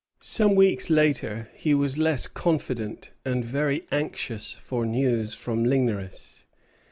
Some weeks later he was less confident, and very anxious for news from Ligneris.